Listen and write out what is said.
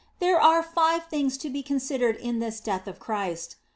There are five things to be considered in this death of Christ.